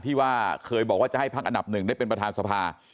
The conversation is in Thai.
ที่ว่าเคยบอกว่าจะให้พักอันดับหนึ่งได้เป็นประธานสภา